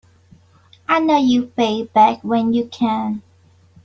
I know you'll pay it back when you can.